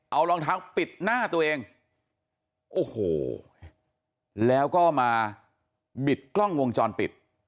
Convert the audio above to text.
เอารองเท้าปิดหน้าตัวเองโอ้โหแล้วก็มาบิดกล้องวงจรปิด